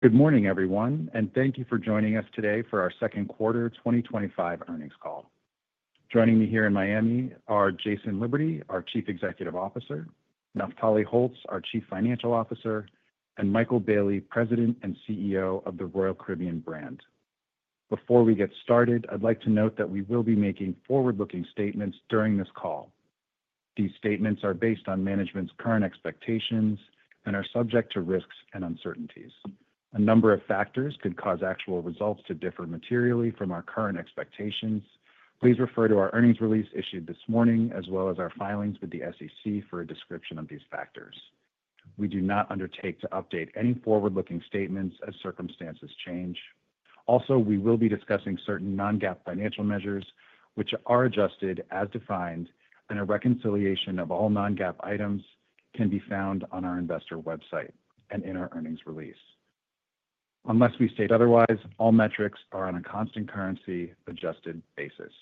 Good morning, everyone, and thank you for joining us today for our second quarter 2025 earnings call. Joining me here in Miami are Jason Liberty, our Chief Executive Officer, Naftali Holtz, our Chief Financial Officer, and Michael Bayley, President and CEO of the Royal Caribbean brand. Before we get started, I'd like to note that we will be making forward-looking statements during this call. These statements are based on management's current expectations and are subject to risks and uncertainties. A number of factors could cause actual results to differ materially from our current expectations. Please refer to our earnings release issued this morning, as well as our filings with the SEC for a description of these factors. We do not undertake to update any forward-looking statements as circumstances change. Also, we will be discussing certain non-GAAP financial measures, which are adjusted as defined, and a reconciliation of all non-GAAP items can be found on our investor website and in our earnings release. Unless we state otherwise, all metrics are on a constant currency-adjusted basis.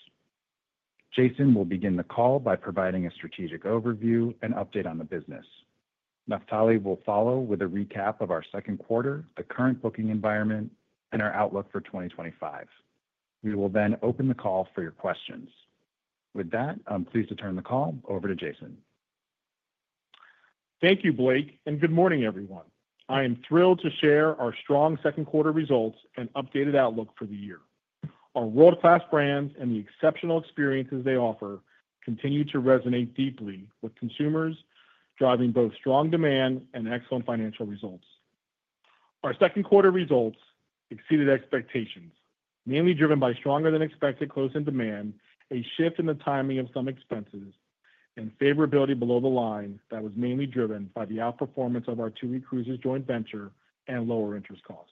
Jason will begin the call by providing a strategic overview and update on the business. Naftali will follow with a recap of our second quarter, the current booking environment, and our outlook for 2025. We will then open the call for your questions. With that, I'm pleased to turn the call over to Jason. Thank you, Blake, and good morning, everyone. I am thrilled to share our strong second quarter results and updated outlook for the year. Our world-class brands and the exceptional experiences they offer continue to resonate deeply with consumers, driving both strong demand and excellent financial results. Our second quarter results exceeded expectations, mainly driven by stronger-than-expected close-in demand, a shift in the timing of some expenses, and favorability below the line that was mainly driven by the outperformance of our TUI Cruises joint venture and lower interest costs.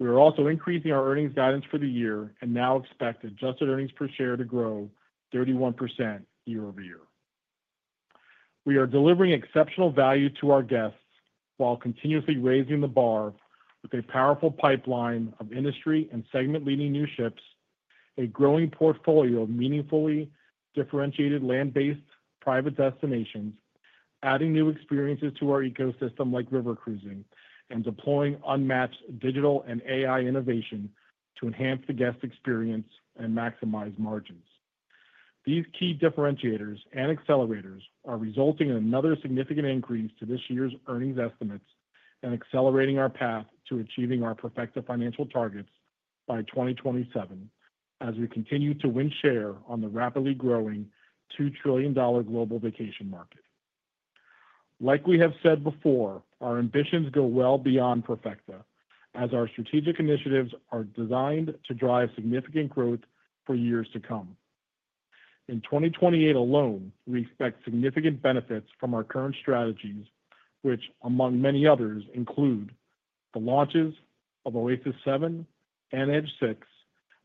We are also increasing our earnings guidance for the year and now expect adjusted earnings per share to grow 31% year-over-year. We are delivering exceptional value to our guests while continuously raising the bar with a powerful pipeline of industry and segment-leading new ships, a growing portfolio of meaningfully differentiated land-based private destinations, adding new experiences to our ecosystem like river cruising, and deploying unmatched digital and AI innovation to enhance the guest experience and maximize margins. These key differentiators and accelerators are resulting in another significant increase to this year's earnings estimates and accelerating our path to achieving our Profecta financial targets by 2027 as we continue to win share on the rapidly growing $2 trillion global vacation market. Like we have said before, our ambitions go well beyond Profecta, as our strategic initiatives are designed to drive significant growth for years to come. In 2028 alone, we expect significant benefits from our current strategies, which, among many others, include the launches of Oasis 7 and Edge 6,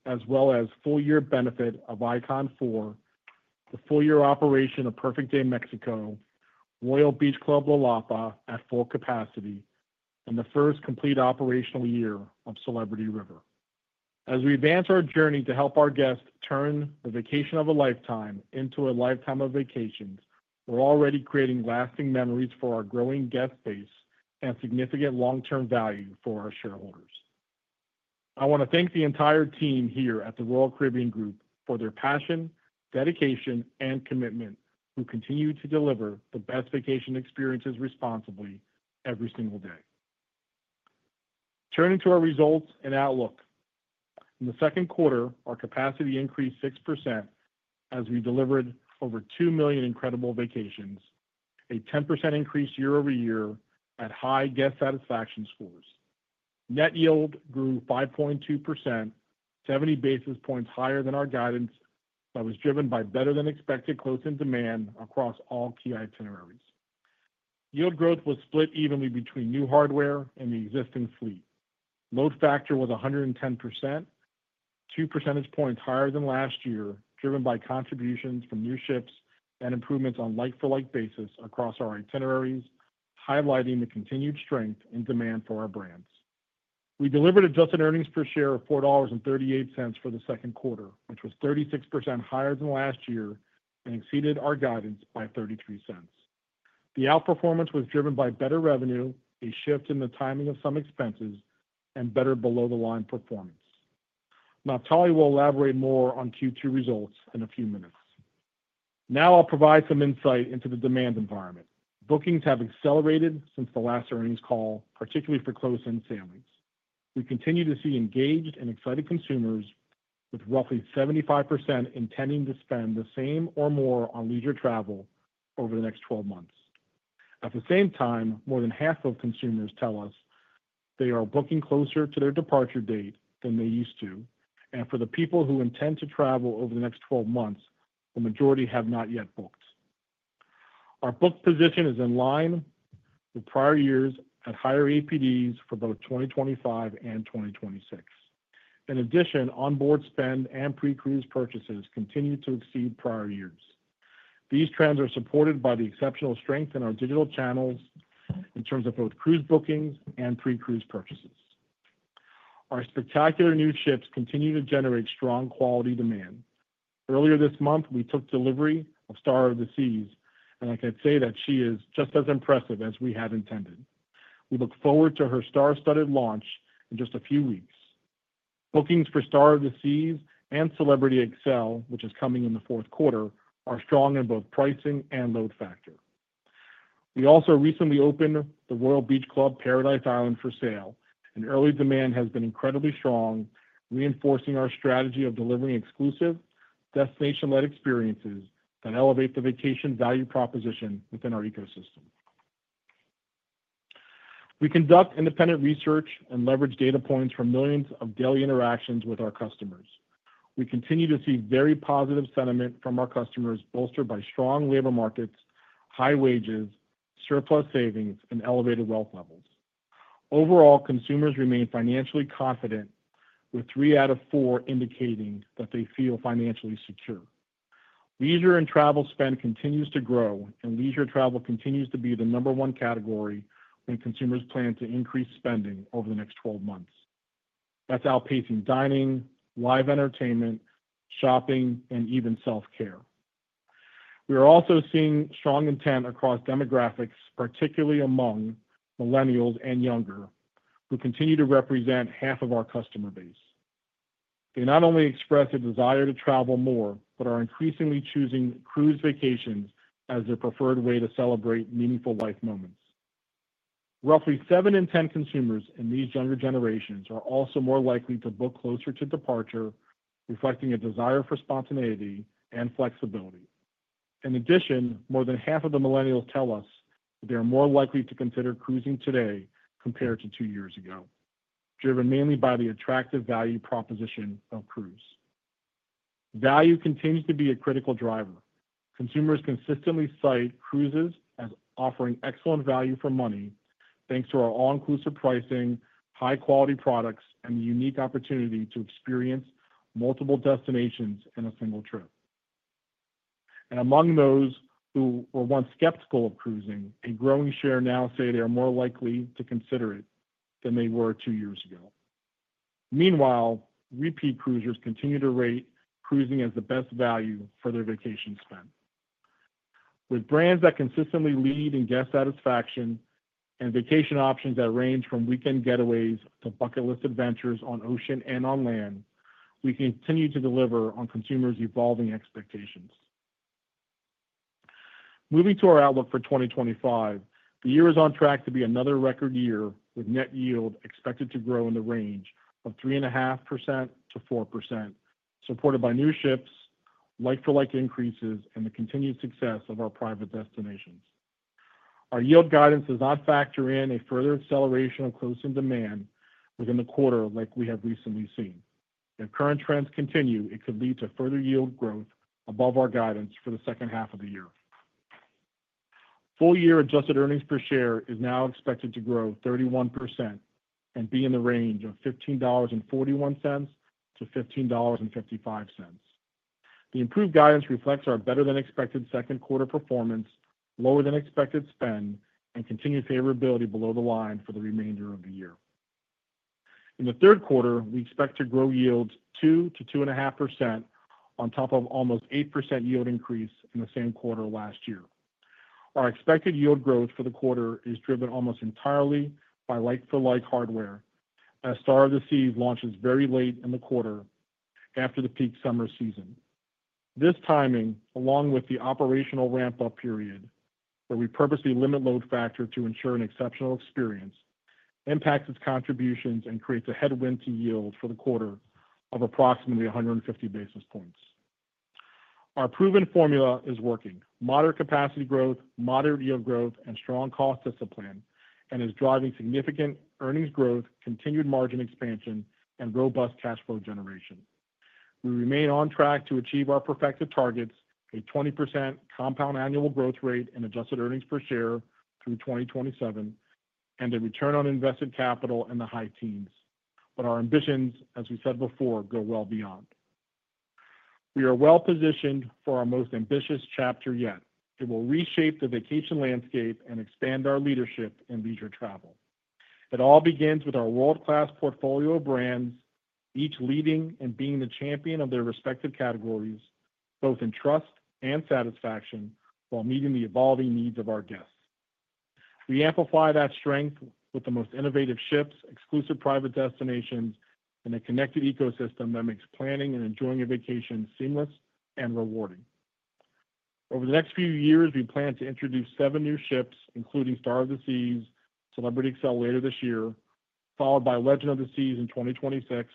as well as full-year benefit of Icon 4, the full-year operation of Perfect Day Mexico, Royal Beach Club Lelepa at full capacity, and the first complete operational year of Celebrity River. As we advance our journey to help our guests turn the vacation of a lifetime into a lifetime of vacations, we're already creating lasting memories for our growing guest base and significant long-term value for our shareholders. I want to thank the entire team here at the Royal Caribbean Group for their passion, dedication, and commitment, who continue to deliver the best vacation experiences responsibly every single day. Turning to our results and outlook, in the second quarter, our capacity increased 6% as we delivered over 2 million incredible vacations, a 10% increase year-over-year at high guest satisfaction scores. Net yield grew 5.2%, 70 basis points higher than our guidance that was driven by better-than-expected close-in demand across all key itineraries. Yield growth was split evenly between new hardware and the existing fleet. Load factor was 110%, two percentage points higher than last year, driven by contributions from new ships and improvements on a like-for-like basis across our itineraries, highlighting the continued strength and demand for our brands. We delivered adjusted earnings per share of $4.38 for the second quarter, which was 36% higher than last year and exceeded our guidance by $0.33. The outperformance was driven by better revenue, a shift in the timing of some expenses, and better below-the-line performance. Naftali will elaborate more on Q2 results in a few minutes. Now I'll provide some insight into the demand environment. Bookings have accelerated since the last earnings call, particularly for close-in sailings. We continue to see engaged and excited consumers, with roughly 75% intending to spend the same or more on leisure travel over the next 12 months. At the same time, more than half of consumers tell us they are booking closer to their departure date than they used to, and for the people who intend to travel over the next 12 months, the majority have not yet booked. Our booked position is in line with prior years at higher APDs for both 2025 and 2026. In addition, onboard spend and pre-cruise purchases continue to exceed prior years. These trends are supported by the exceptional strength in our digital channels in terms of both cruise bookings and pre-cruise purchases. Our spectacular new ships continue to generate strong quality demand. Earlier this month, we took delivery of Star of the Seas, and I can say that she is just as impressive as we had intended. We look forward to her star-studded launch in just a few weeks. Bookings for Star of the Seas and Celebrity Xcel, which is coming in the fourth quarter, are strong in both pricing and load factor. We also recently opened the Royal Beach Club Paradise Island for sale, and early demand has been incredibly strong, reinforcing our strategy of delivering exclusive destination-led experiences that elevate the vacation value proposition within our ecosystem. We conduct independent research and leverage data points from millions of daily interactions with our customers. We continue to see very positive sentiment from our customers, bolstered by strong labor markets, high wages, surplus savings, and elevated wealth levels. Overall, consumers remain financially confident, with three out of four indicating that they feel financially secure. Leisure and travel spend continues to grow, and leisure travel continues to be the number one category when consumers plan to increase spending over the next 12 months. That is outpacing dining, live entertainment, shopping, and even self-care. We are also seeing strong intent across demographics, particularly among millennials and younger, who continue to represent half of our customer base. They not only express a desire to travel more, but are increasingly choosing cruise vacations as their preferred way to celebrate meaningful life moments. Roughly 7 in 10 consumers in these younger generations are also more likely to book closer to departure, reflecting a desire for spontaneity and flexibility. In addition, more than half of the millennials tell us that they are more likely to consider cruising today compared to two years ago, driven mainly by the attractive value proposition of cruise. Value continues to be a critical driver. Consumers consistently cite cruises as offering excellent value for money, thanks to our all-inclusive pricing, high-quality products, and the unique opportunity to experience multiple destinations in a single trip. Among those who were once skeptical of cruising, a growing share now say they are more likely to consider it than they were two years ago. Meanwhile, repeat cruisers continue to rate cruising as the best value for their vacation spend. With brands that consistently lead in guest satisfaction and vacation options that range from weekend getaways to bucket list adventures on ocean and on land, we continue to deliver on consumers' evolving expectations. Moving to our outlook for 2025, the year is on track to be another record year, with net yield expected to grow in the range of 3.5%-4%, supported by new ships, like-for-like increases, and the continued success of our private destinations. Our yield guidance does not factor in a further acceleration of close-in demand within the quarter like we have recently seen. If current trends continue, it could lead to further yield growth above our guidance for the second half of the year. Full-year adjusted earnings per share is now expected to grow 31% and be in the range of $15.41-$15.55. The improved guidance reflects our better-than-expected second quarter performance, lower-than-expected spend, and continued favorability below the line for the remainder of the year. In the third quarter, we expect to grow yields 2%-2.5% on top of almost 8% yield increase in the same quarter last year. Our expected yield growth for the quarter is driven almost entirely by like-for-like hardware, as Star of the Seas launches very late in the quarter, after the peak summer season. This timing, along with the operational ramp-up period, where we purposely limit load factor to ensure an exceptional experience, impacts its contributions and creates a headwind to yield for the quarter of approximately 150 basis points. Our proven formula is working: moderate capacity growth, moderate yield growth, and strong cost discipline is driving significant earnings growth, continued margin expansion, and robust cash flow generation. We remain on track to achieve our Profecta targets: a 20% compound annual growth rate in adjusted earnings per share through 2027 and a return on invested capital in the high teens. Our ambitions, as we said before, go well beyond. We are well positioned for our most ambitious chapter yet. It will reshape the vacation landscape and expand our leadership in leisure travel. It all begins with our world-class portfolio of brands, each leading and being the champion of their respective categories, both in trust and satisfaction, while meeting the evolving needs of our guests. We amplify that strength with the most innovative ships, exclusive private destinations, and a connected ecosystem that makes planning and enjoying a vacation seamless and rewarding. Over the next few years, we plan to introduce seven new ships, including Star of the Seas, Celebrity Xcel later this year, followed by Legend of the Seas in 2026,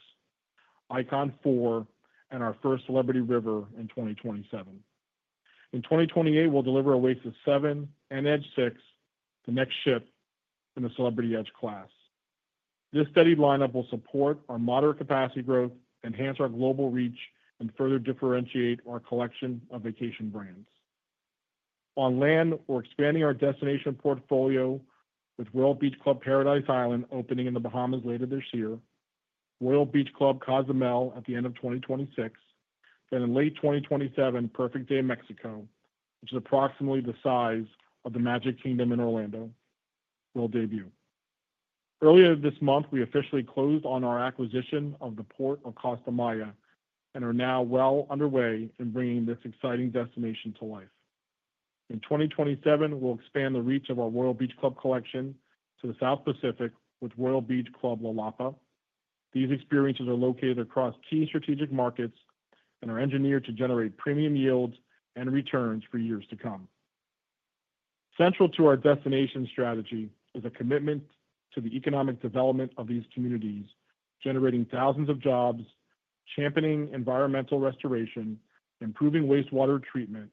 Icon 4, and our first Celebrity River in 2027. In 2028, we'll deliver Oasis 7 and Edge 6, the next ship in the Celebrity Edge class. This steady lineup will support our moderate capacity growth, enhance our global reach, and further differentiate our collection of vacation brands. On land, we're expanding our destination portfolio with Royal Beach Club Paradise Island, opening in the Bahamas later this year, Royal Beach Club Cozumel at the end of 2026, and in late 2027, Perfect Day Mexico, which is approximately the size of the Magic Kingdom in Orlando, will debut. Earlier this month, we officially closed on our acquisition of the port of Costa Maya and are now well underway in bringing this exciting destination to life. In 2027, we'll expand the reach of our Royal Beach Club collection to the South Pacific with Royal Beach Club Lelepa. These experiences are located across key strategic markets and are engineered to generate premium yields and returns for years to come. Central to our destination strategy is a commitment to the economic development of these communities, generating thousands of jobs, championing environmental restoration, improving wastewater treatment,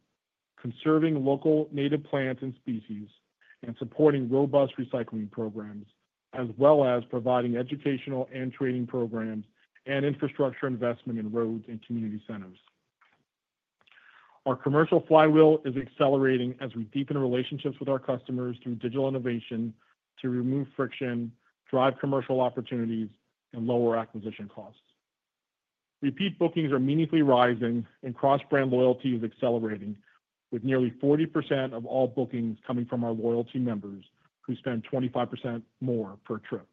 conserving local native plants and species, and supporting robust recycling programs, as well as providing educational and training programs and infrastructure investment in roads and community centers. Our commercial flywheel is accelerating as we deepen relationships with our customers through digital innovation to remove friction, drive commercial opportunities, and lower acquisition costs. Repeat bookings are meaningfully rising, and cross-brand loyalty is accelerating, with nearly 40% of all bookings coming from our loyalty members who spend 25% more per trip.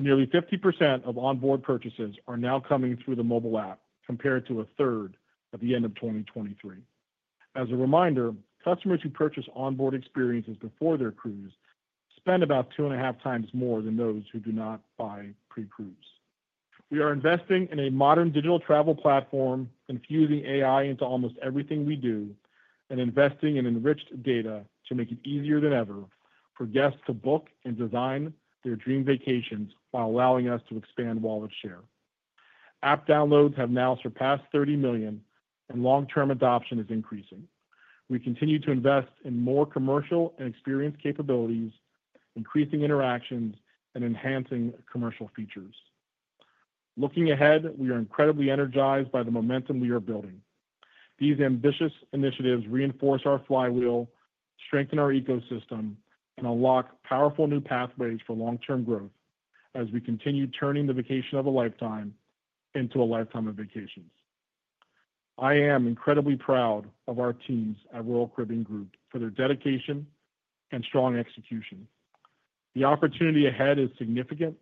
Nearly 50% of onboard purchases are now coming through the mobile app, compared to a third at the end of 2023. As a reminder, customers who purchase onboard experiences before their cruise spend about two and a half times more than those who do not buy pre-cruise. We are investing in a modern digital travel platform, infusing AI into almost everything we do, and investing in enriched data to make it easier than ever for guests to book and design their dream vacations while allowing us to expand wallet share. App downloads have now surpassed 30 million, and long-term adoption is increasing. We continue to invest in more commercial and experience capabilities, increasing interactions and enhancing commercial features. Looking ahead, we are incredibly energized by the momentum we are building. These ambitious initiatives reinforce our flywheel, strengthen our ecosystem, and unlock powerful new pathways for long-term growth as we continue turning the vacation of a lifetime into a lifetime of vacations. I am incredibly proud of our teams at Royal Caribbean Group for their dedication and strong execution. The opportunity ahead is significant,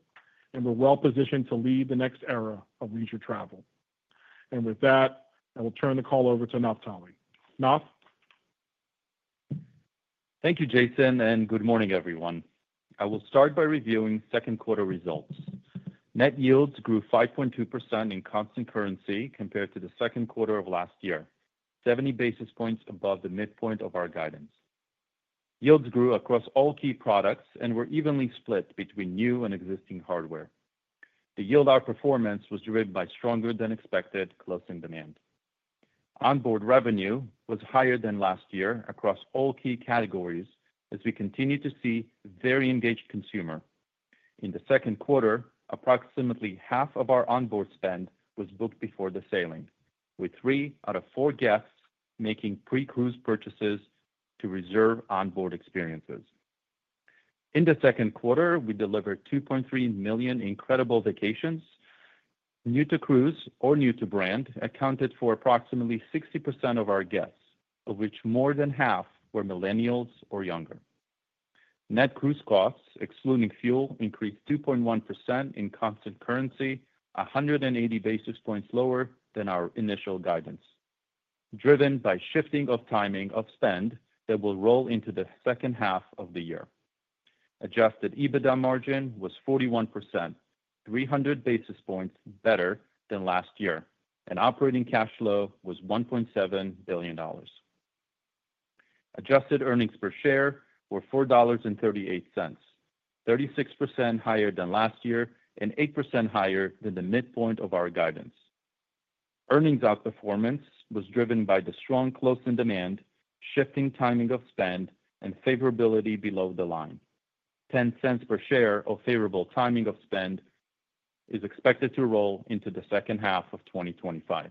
and we're well positioned to lead the next era of leisure travel. With that, I will turn the call over to Naftali. Naf? Thank you, Jason, and good morning, everyone. I will start by reviewing second quarter results. Net yields grew 5.2% in constant currency compared to the second quarter of last year, 70 basis points above the midpoint of our guidance. Yields grew across all key products and were evenly split between new and existing hardware. The yield outperformance was driven by stronger-than-expected close-in demand. Onboard revenue was higher than last year across all key categories as we continue to see very engaged consumers. In the second quarter, approximately half of our onboard spend was booked before the sailing, with three out of four guests making pre-cruise purchases to reserve onboard experiences. In the second quarter, we delivered 2.3 million incredible vacations. New to cruise or new to brand accounted for approximately 60% of our guests, of which more than half were millennials or younger. Net cruise costs, excluding fuel, increased 2.1% in constant currency, 180 basis points lower than our initial guidance, driven by shifting of timing of spend that will roll into the second half of the year. Adjusted EBITDA margin was 41%, 300 basis points better than last year, and operating cash flow was $1.7 billion. Adjusted earnings per share were $4.38, 36% higher than last year and 8% higher than the midpoint of our guidance. Earnings outperformance was driven by the strong close-in demand, shifting timing of spend, and favorability below the line. $0.10 per share of favorable timing of spend is expected to roll into the second half of 2025.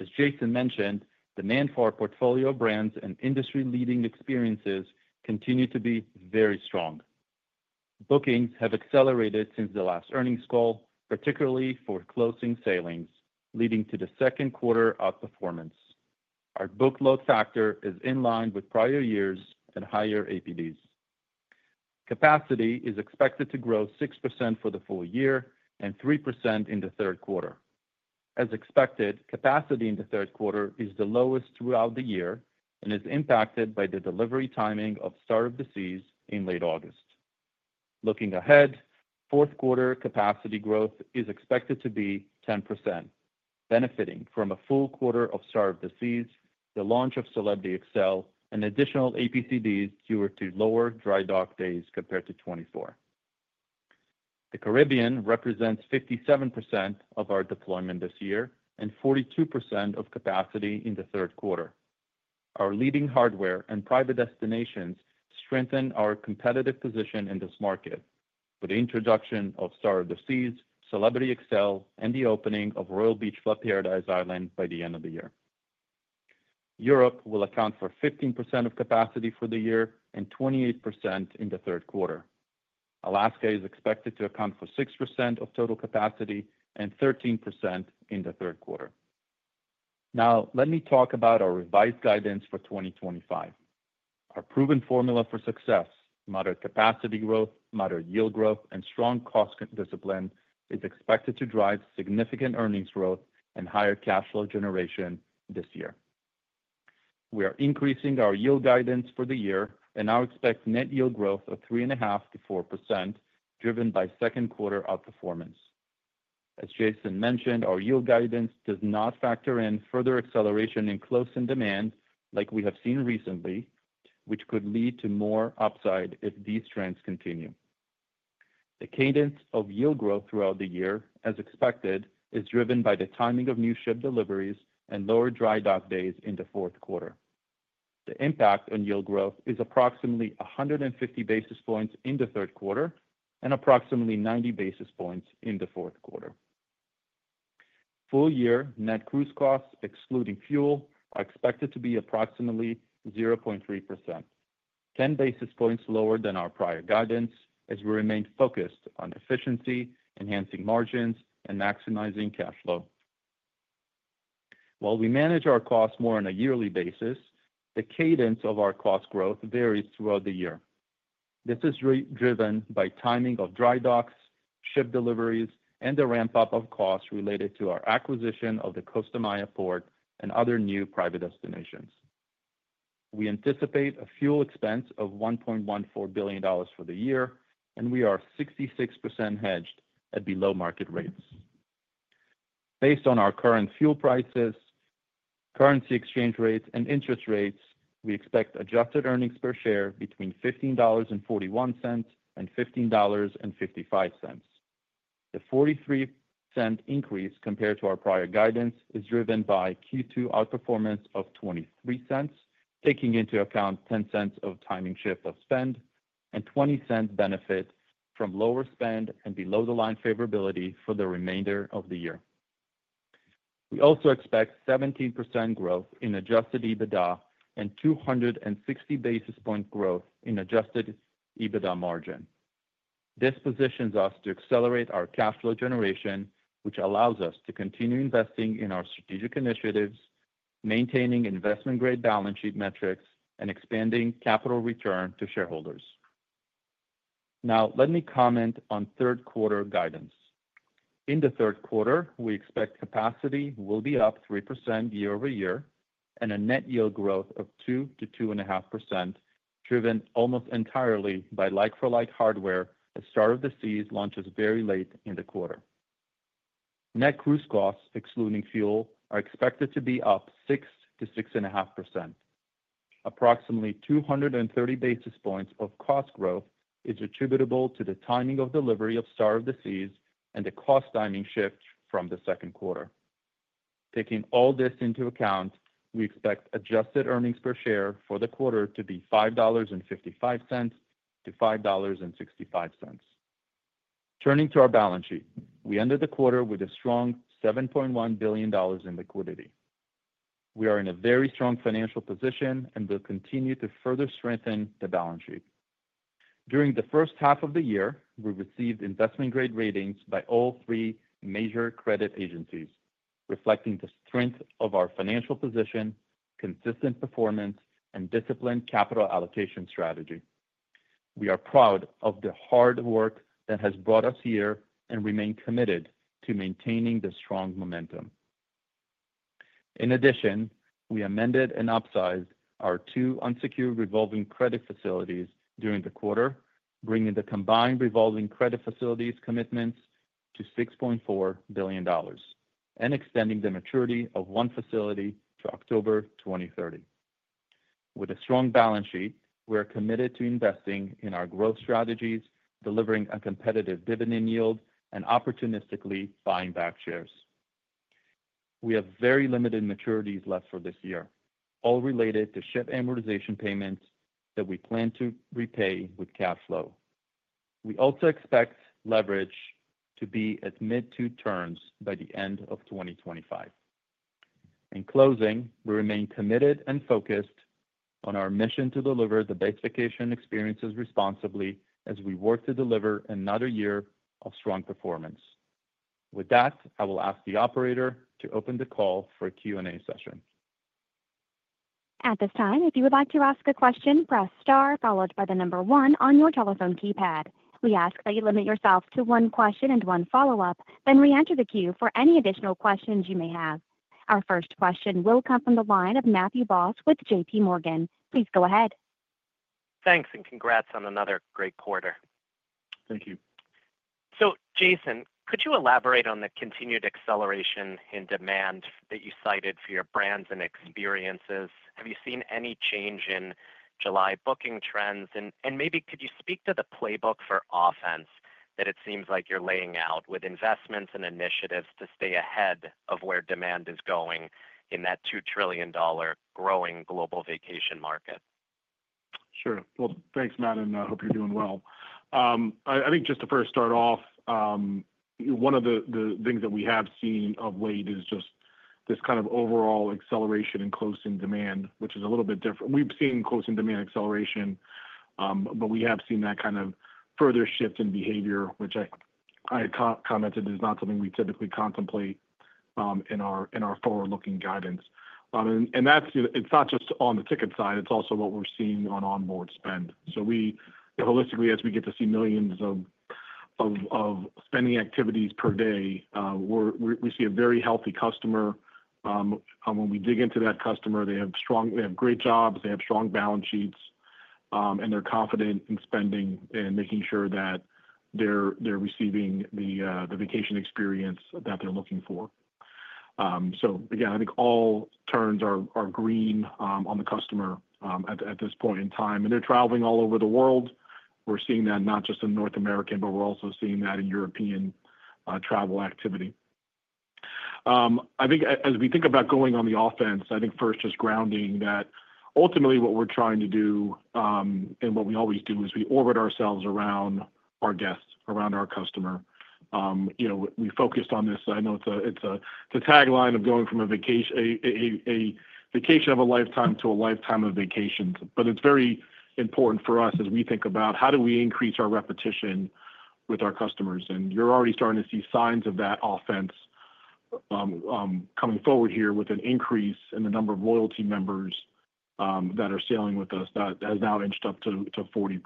As Jason mentioned, demand for our portfolio brands and industry-leading experiences continues to be very strong. Bookings have accelerated since the last earnings call, particularly for close-in sailings, leading to the second quarter outperformance. Our book load factor is in line with prior years and higher APDs. Capacity is expected to grow 6% for the full year and 3% in the third quarter. As expected, capacity in the third quarter is the lowest throughout the year and is impacted by the delivery timing of Star of the Seas in late August. Looking ahead, fourth quarter capacity growth is expected to be 10%, benefiting from a full quarter of Star of the Seas, the launch of Celebrity Xcel, and additional APCDs due to lower dry dock days compared to 2024. The Caribbean represents 57% of our deployment this year and 42% of capacity in the third quarter. Our leading hardware and private destinations strengthen our competitive position in this market with the introduction of Star of the Seas, Celebrity Xcel, and the opening of Royal Beach Club Paradise Island by the end of the year. Europe will account for 15% of capacity for the year and 28% in the third quarter. Alaska is expected to account for 6% of total capacity and 13% in the third quarter. Now, let me talk about our revised guidance for 2025. Our proven formula for success, moderate capacity growth, moderate yield growth, and strong cost discipline is expected to drive significant earnings growth and higher cash flow generation this year. We are increasing our yield guidance for the year and now expect net yield growth of 3.5%-4%, driven by second quarter outperformance. As Jason mentioned, our yield guidance does not factor in further acceleration in close-in demand like we have seen recently, which could lead to more upside if these trends continue. The cadence of yield growth throughout the year, as expected, is driven by the timing of new ship deliveries and lower dry dock days in the fourth quarter. The impact on yield growth is approximately 150 basis points in the third quarter and approximately 90 basis points in the fourth quarter. Full-year net cruise costs, excluding fuel, are expected to be approximately 0.3%, 10 basis points lower than our prior guidance as we remain focused on efficiency, enhancing margins, and maximizing cash flow. While we manage our costs more on a yearly basis, the cadence of our cost growth varies throughout the year. This is driven by timing of dry docks, ship deliveries, and the ramp-up of costs related to our acquisition of the Costa Maya port and other new private destinations. We anticipate a fuel expense of $1.14 billion for the year, and we are 66% hedged at below-market rates. Based on our current fuel prices, currency exchange rates, and interest rates, we expect adjusted earnings per share between $15.41 and $15.55. The 43% increase compared to our prior guidance is driven by Q2 outperformance of $0.23, taking into account $0.10 of timing shift of spend and $0.20 benefit from lower spend and below-the-line favorability for the remainder of the year. We also expect 17% growth in adjusted EBITDA and 260 basis point growth in adjusted EBITDA margin. This positions us to accelerate our cash flow generation, which allows us to continue investing in our strategic initiatives, maintaining investment-grade balance sheet metrics, and expanding capital return to shareholders. Now, let me comment on third quarter guidance. In the third quarter, we expect capacity will be up 3% year-over-year and a net yield growth of 2%-2.5%, driven almost entirely by like-for-like hardware as Star of the Seas launches very late in the quarter. Net cruise costs, excluding fuel, are expected to be up 6%-6.5%. Approximately 230 basis points of cost growth is attributable to the timing of delivery of Star of the Seas and the cost timing shift from the second quarter. Taking all this into account, we expect adjusted earnings per share for the quarter to be $5.55-$5.65. Turning to our balance sheet, we ended the quarter with a strong $7.1 billion in liquidity. We are in a very strong financial position and will continue to further strengthen the balance sheet. During the first half of the year, we received investment-grade ratings by all three major credit agencies, reflecting the strength of our financial position, consistent performance, and disciplined capital allocation strategy. We are proud of the hard work that has brought us here and remain committed to maintaining the strong momentum. In addition, we amended and upsized our two unsecured revolving credit facilities during the quarter, bringing the combined revolving credit facilities commitments to $6.4 billion and extending the maturity of one facility to October 2030. With a strong balance sheet, we are committed to investing in our growth strategies, delivering a competitive dividend yield, and opportunistically buying back shares. We have very limited maturities left for this year, all related to ship amortization payments that we plan to repay with cash flow. We also expect leverage to be at mid-to-turns by the end of 2025. In closing, we remain committed and focused on our mission to deliver the best vacation experiences responsibly as we work to deliver another year of strong performance. With that, I will ask the operator to open the call for a Q&A session. At this time, if you would like to ask a question, press star followed by the number one on your telephone keypad. We ask that you limit yourself to one question and one follow-up, then re-enter the queue for any additional questions you may have. Our first question will come from the line of Matthew Boss with JPMorgan. Please go ahead. Thanks, and congrats on another great quarter. Thank you. Jason, could you elaborate on the continued acceleration in demand that you cited for your brands and experiences? Have you seen any change in July booking trends? And maybe, could you speak to the playbook for offense that it seems like you're laying out with investments and initiatives to stay ahead of where demand is going in that $2 trillion growing global vacation market? Sure. Thanks, Matt, and I hope you're doing well. I think just to first start off. One of the things that we have seen of late is just this kind of overall acceleration in close-in demand, which is a little bit different. We've seen close-in demand acceleration, but we have seen that kind of further shift in behavior, which I commented is not something we typically contemplate in our forward-looking guidance. It's not just on the ticket side. It's also what we're seeing on onboard spend. Holistically, as we get to see millions of spending activities per day, we see a very healthy customer. When we dig into that customer, they have great jobs. They have strong balance sheets, and they're confident in spending and making sure that they're receiving the vacation experience that they're looking for. Again, I think all turns are green on the customer at this point in time. They're traveling all over the world. We're seeing that not just in North America, but we're also seeing that in European travel activity. I think as we think about going on the offense, I think first just grounding that ultimately what we're trying to do and what we always do is we orbit ourselves around our guests, around our customer. We focused on this. I know it's a tagline of going from a vacation of a lifetime to a lifetime of vacations, but it's very important for us as we think about how do we increase our repetition with our customers. You're already starting to see signs of that offense coming forward here with an increase in the number of loyalty members that are sailing with us that has now inched up to 40%.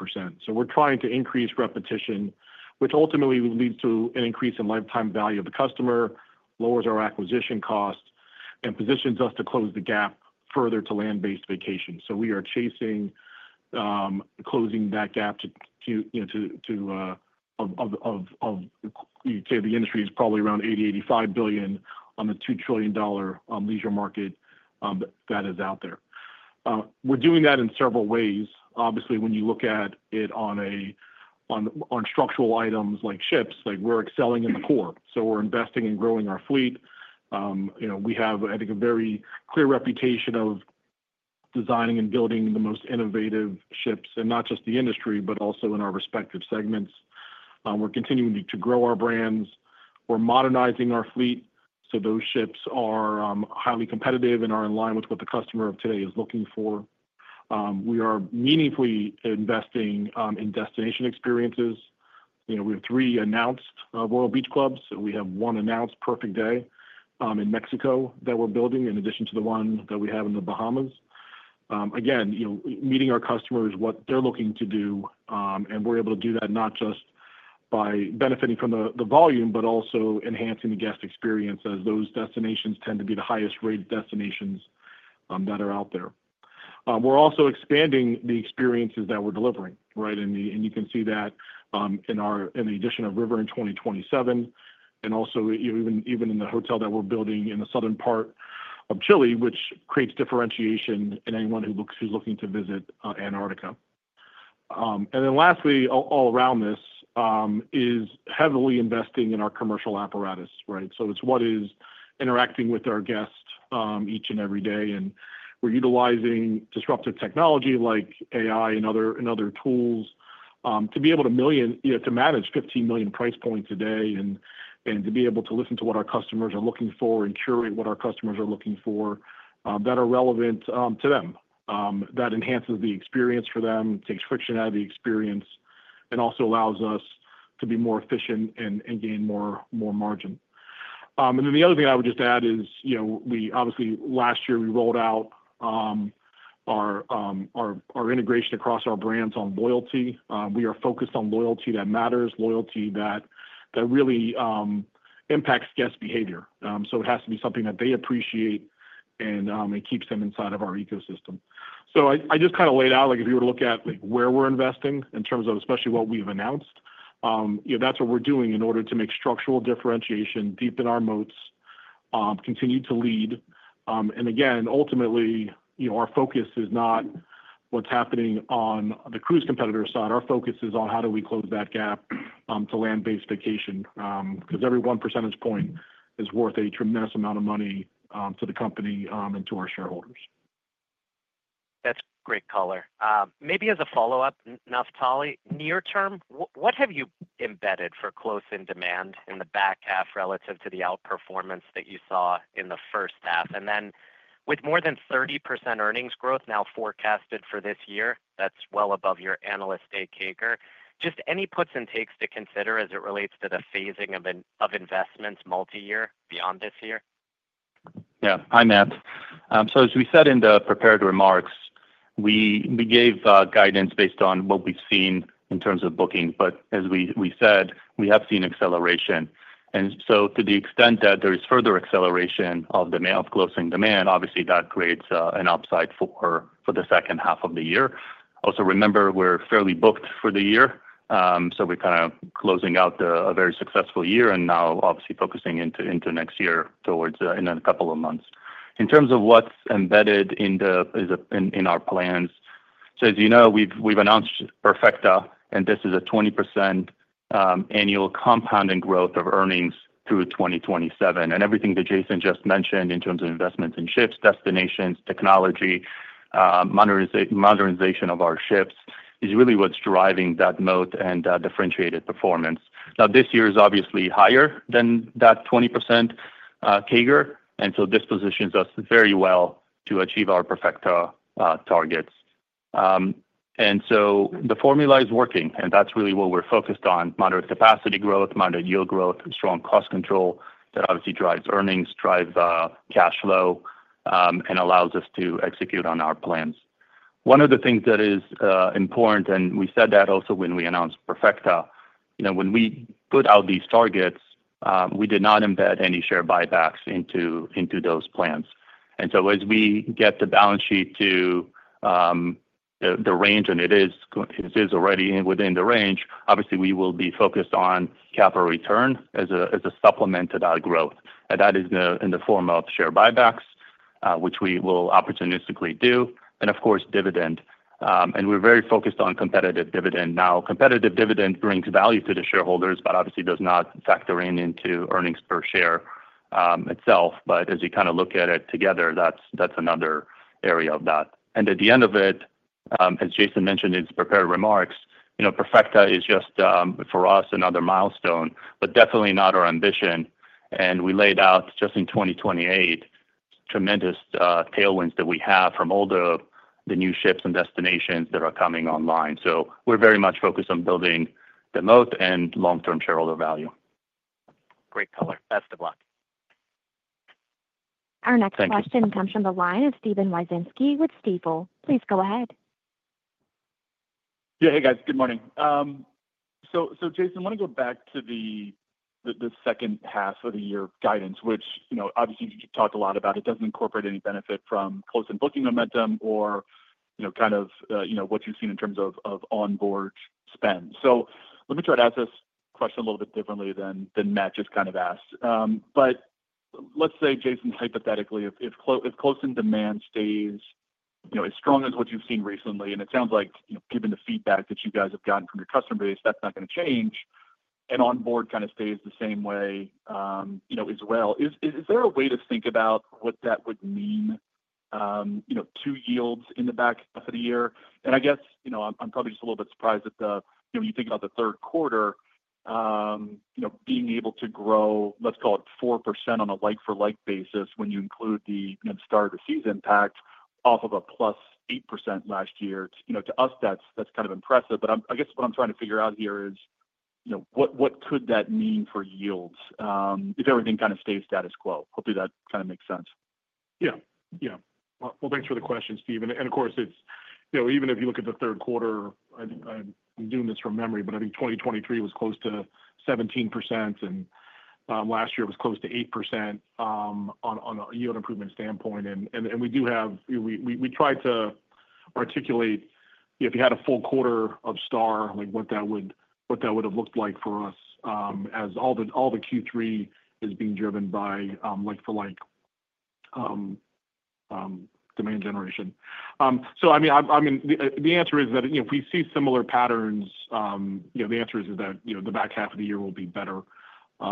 We're trying to increase repetition, which ultimately leads to an increase in lifetime value of the customer, lowers our acquisition cost, and positions us to close the gap further to land-based vacations. We are chasing closing that gap. You'd say the industry is probably around $80 billion-$85 billion on the $2 trillion leisure market that is out there. We're doing that in several ways. Obviously, when you look at it on structural items like ships, we're excelling in the core. We're investing and growing our fleet. We have, I think, a very clear reputation of designing and building the most innovative ships, and not just the industry, but also in our respective segments. We're continuing to grow our brands. We're modernizing our fleet so those ships are highly competitive and are in line with what the customer of today is looking for. We are meaningfully investing in destination experiences. We have three announced Royal Beach Clubs. We have one announced Perfect Day Mexico that we're building in addition to the one that we have in the Bahamas. Again, meeting our customers, what they're looking to do. We're able to do that not just by benefiting from the volume, but also enhancing the guest experience as those destinations tend to be the highest-rated destinations that are out there. We're also expanding the experiences that we're delivering, right? You can see that in the addition of River in 2027, and also even in the hotel that we're building in the southern part of Chile, which creates differentiation in anyone who's looking to visit Antarctica. Lastly, all around this is heavily investing in our commercial apparatus, right? It's what is interacting with our guests each and every day. We're utilizing disruptive technology like AI and other tools to be able to manage 15 million price points a day and to be able to listen to what our customers are looking for and curate what our customers are looking for that are relevant to them. That enhances the experience for them, takes friction out of the experience, and also allows us to be more efficient and gain more margin. The other thing I would just add is, obviously, last year, we rolled out our integration across our brands on loyalty. We are focused on loyalty that matters, loyalty that really impacts guest behavior. It has to be something that they appreciate and it keeps them inside of our ecosystem. I just kind of laid out, if you were to look at where we're investing in terms of especially what we've announced, that's what we're doing in order to make structural differentiation, deepen our moats. Continue to lead. Again, ultimately, our focus is not what's happening on the cruise competitor side. Our focus is on how do we close that gap to land-based vacation because every 1 percentage point is worth a tremendous amount of money to the company and to our shareholders. That's great, Color. Maybe as a follow-up, Naftali, near-term, what have you embedded for close-in demand in the back half relative to the outperformance that you saw in the first half? And then with more than 30% earnings growth now forecasted for this year, that's well above your analyst, Day CAGR, just any puts and takes to consider as it relates to the phasing of investments multi-year beyond this year? Yeah. Hi, Matt. As we said in the prepared remarks, we gave guidance based on what we've seen in terms of booking. As we said, we have seen acceleration. To the extent that there is further acceleration of the close-in demand, obviously, that creates an upside for the second half of the year. Also, remember, we're fairly booked for the year. We're kind of closing out a very successful year and now, obviously, focusing into next year in a couple of months. In terms of what's embedded in our plans, as you know, we've announced Profecta, and this is a 20% annual compounding growth of earnings through 2027. Everything that Jason just mentioned in terms of investments in ships, destinations, technology, modernization of our ships is really what's driving that moat and that differentiated performance. Now, this year is obviously higher than that 20% CAGR. This positions us very well to achieve our Profecta targets. The formula is working, and that's really what we're focused on: moderate capacity growth, moderate yield growth, strong cost control that obviously drives earnings, drives cash flow, and allows us to execute on our plans. One of the things that is important, and we said that also when we announced Profecta, when we put out these targets, we did not embed any share buybacks into those plans. As we get the balance sheet to the range, and it is already within the range, obviously, we will be focused on capital return as a supplement to that growth. That is in the form of share buybacks, which we will opportunistically do. Of course, dividend. We're very focused on competitive dividend. Now, competitive dividend brings value to the shareholders, but obviously does not factor into earnings per share itself. As you kind of look at it together, that's another area of that. At the end of it, as Jason mentioned in his prepared remarks, Perfecta is just, for us, another milestone, but definitely not our ambition. We laid out just in 2028 tremendous tailwinds that we have from all the new ships and destinations that are coming online. We're very much focused on building the moat and long-term shareholder value. Great, Color. Best of luck. Our next question comes from the line of Steven Wieczynski with Stifel. Please go ahead. Yeah. Hey, guys. Good morning. Jason, I want to go back to the second half of the year guidance, which obviously you talked a lot about. It doesn't incorporate any benefit from close-in booking momentum or kind of what you've seen in terms of onboard spend. Let me try to ask this question a little bit differently than Matt just kind of asked. Let's say, Jason, hypothetically, if close-in demand stays as strong as what you've seen recently, and it sounds like, given the feedback that you guys have gotten from your customer base, that's not going to change, and onboard kind of stays the same way as well, is there a way to think about what that would mean to yields in the back of the year? I guess I'm probably just a little bit surprised that you think about the third quarter being able to grow, let's call it 4% on a like-for-like basis when you include the start of the season impact off of a +8% last year. To us, that's kind of impressive. I guess what I'm trying to figure out here is what could that mean for yields if everything kind of stays status quo? Hopefully, that kind of makes sense. Yeah. Thanks for the question, Steven. Of course, even if you look at the third quarter, I'm doing this from memory, but I think 2023 was close to 17%, and last year was close to 8% on a yield improvement standpoint. We tried to articulate if you had a full quarter of Star, what that would have looked like for us, as all the Q3 is being driven by like-for-like demand generation. The answer is that if we see similar patterns, the answer is that the back half of the year will be better. As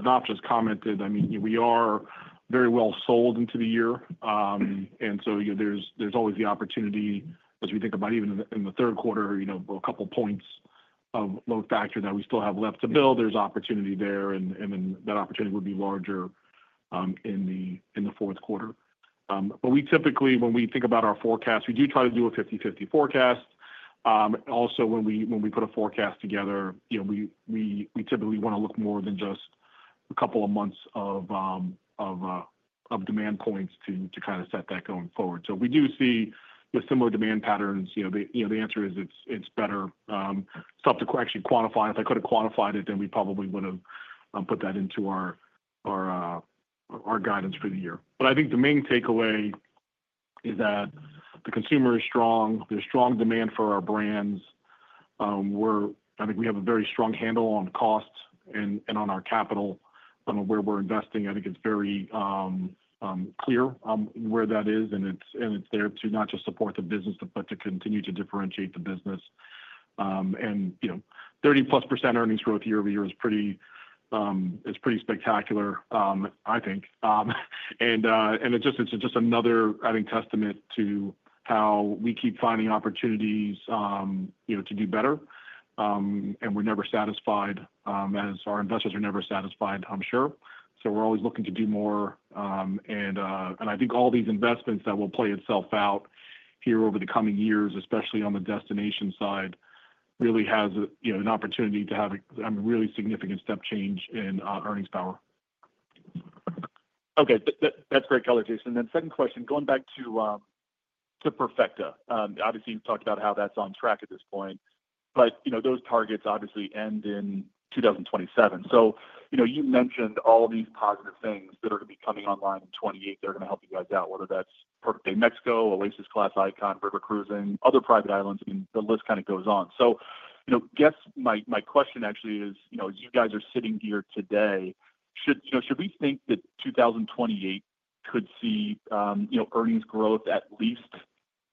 Naftali just commented, we are very well sold into the year. There is always the opportunity, as we think about even in the third quarter, a couple of points of moat factor that we still have left to build. There is opportunity there, and then that opportunity would be larger in the fourth quarter. We typically, when we think about our forecast, do try to do a 50/50 forecast. Also, when we put a forecast together, we typically want to look more than just a couple of months of demand points to kind of set that going forward. We do see similar demand patterns. The answer is it's better stuff to actually quantify. If I could have quantified it, then we probably would have put that into our guidance for the year. I think the main takeaway is that the consumer is strong. There is strong demand for our brands. I think we have a very strong handle on cost and on our capital, on where we are investing. I think it is very clear where that is, and it is there to not just support the business, but to continue to differentiate the business. 30%+ earnings growth year-over-year is pretty spectacular, I think. It is just another, I think, testament to how we keep finding opportunities to do better. We are never satisfied, as our investors are never satisfied, I am sure. We are always looking to do more. I think all these investments that will play itself out here over the coming years, especially on the destination side, really has an opportunity to have a really significant step change in earnings power. That is great, Color, Jason. Second question, going back to Profecta. Obviously, you have talked about how that is on track at this point. Those targets obviously end in 2027. You mentioned all these positive things that are going to be coming online in 2028. They are going to help you guys out, whether that is Perfect Day Mexico, Oasis Class Icon, River Cruising, other private islands. The list kind of goes on. I guess my question actually is, as you guys are sitting here today,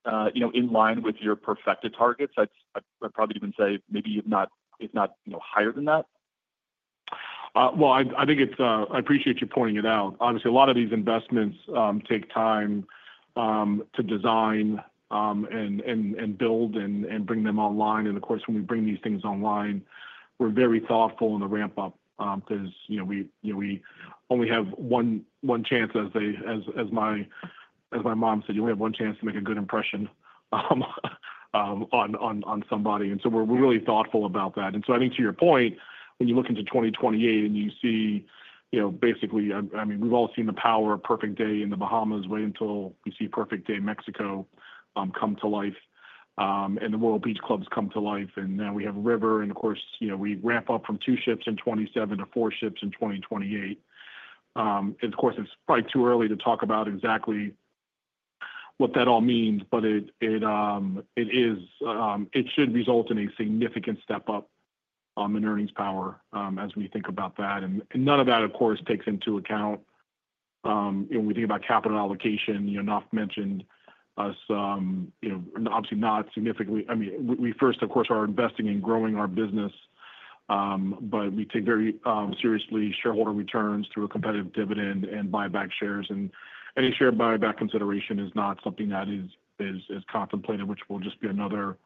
should we think that 2028 could see earnings growth at least in line with your Profecta targets? I would probably even say maybe if not higher than that. I appreciate you pointing it out. Obviously, a lot of these investments take time to design and build and bring them online. Of course, when we bring these things online, we are very thoughtful in the ramp-up because we only have one chance, as my mom said, you only have one chance to make a good impression. On somebody. We're really thoughtful about that. I think to your point, when you look into 2028 and you see basically, I mean, we've all seen the power of Perfect Day in the Bahamas. Wait until we see Perfect Day Mexico come to life and the Royal Beach Clubs come to life. Now we have River. Of course, we ramp up from two ships in 2027 to four ships in 2028. Of course, it's probably too early to talk about exactly what that all means, but it should result in a significant step up in earnings power as we think about that. None of that, of course, takes into account when we think about capital allocation. Naf mentioned us, obviously not significantly. I mean, we first, of course, are investing in growing our business, but we take very seriously shareholder returns through a competitive dividend and buyback shares. Any share buyback consideration is not something that is contemplated, which will just be another,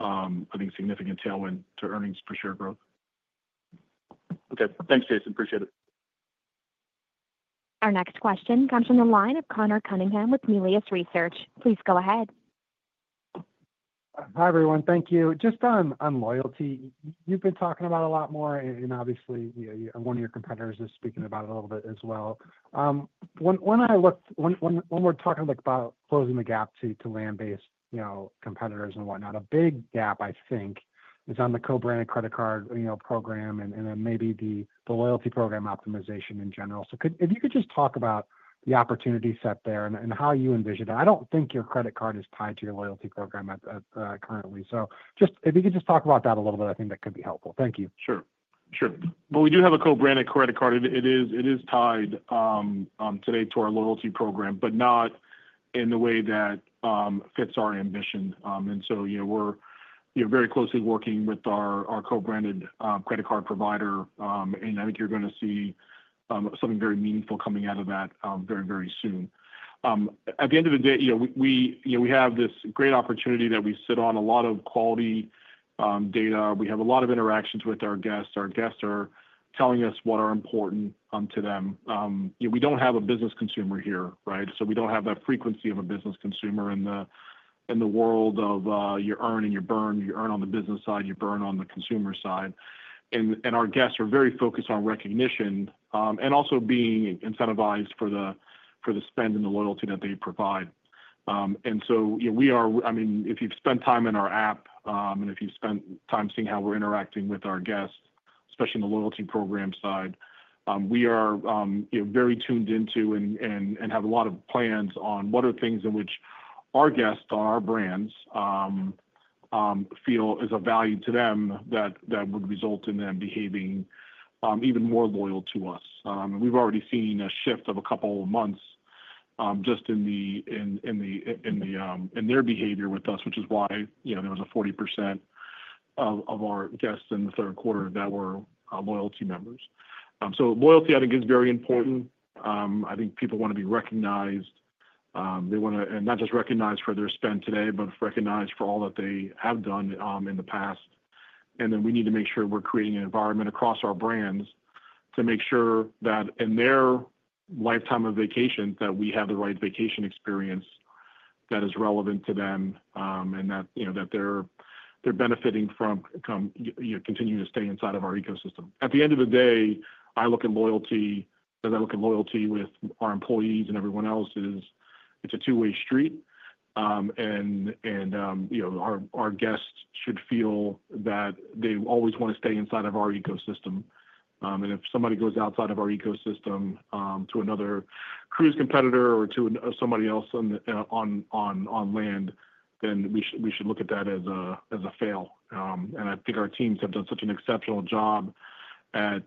I think, significant tailwind to earnings per share growth. Okay. Thanks, Jason. Appreciate it. Our next question comes from the line of Conor Cunningham with Melius Research. Please go ahead. Hi, everyone. Thank you. Just on loyalty, you've been talking about it a lot more, and obviously, one of your competitors is speaking about it a little bit as well. When we're talking about closing the gap to land-based competitors and whatnot, a big gap, I think, is on the co-branded credit card program and then maybe the loyalty program optimization in general. If you could just talk about the opportunity set there and how you envision it. I don't think your credit card is tied to your loyalty program currently, so if you could just talk about that a little bit, I think that could be helpful. Thank you. Sure. We do have a co-branded credit card. It is tied today to our loyalty program, but not in the way that fits our ambition. We're very closely working with our co-branded credit card provider, and I think you're going to see something very meaningful coming out of that very, very soon. At the end of the day, we have this great opportunity that we sit on a lot of quality data. We have a lot of interactions with our guests. Our guests are telling us what are important to them. We don't have a business consumer here, right? We don't have that frequency of a business consumer in the world of you earn and you burn. You earn on the business side. You burn on the consumer side. Our guests are very focused on recognition and also being incentivized for the spend and the loyalty that they provide. I mean, if you've spent time in our app and if you've spent time seeing how we're interacting with our guests, especially in the loyalty program side, we are very tuned into and have a lot of plans on what are things in which our guests or our brands feel is of value to them that would result in them behaving even more loyal to us. We've already seen a shift of a couple of months just in their behavior with us, which is why there was a 40% of our guests in the third quarter that were loyalty members. Loyalty, I think, is very important. I think people want to be recognized. They want to not just be recognized for their spend today, but recognized for all that they have done in the past. We need to make sure we're creating an environment across our brands to make sure that in their lifetime of vacation, that we have the right vacation experience that is relevant to them and that they're benefiting from continuing to stay inside of our ecosystem. At the end of the day, I look at loyalty as I look at loyalty with our employees and everyone else, it's a two-way street. Our guests should feel that they always want to stay inside of our ecosystem. If somebody goes outside of our ecosystem to another cruise competitor or to somebody else on land, then we should look at that as a fail. I think our teams have done such an exceptional job at